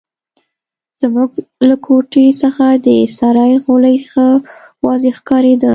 زموږ له کوټې څخه د سرای غولی ښه واضح ښکارېده.